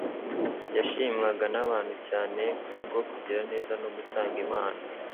Yashimwaga n'abantu cyane, kubwo kugira neza no gutanga impano